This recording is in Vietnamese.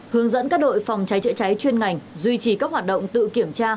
hướng dẫn các đội phòng trái trịa trái chuyên ngành duy trì các hoạt động tự kiểm tra